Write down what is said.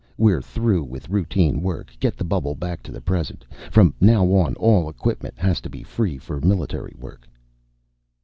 We're through with routine work. Get the bubble back to the present. From now on all equipment has to be free for Military work."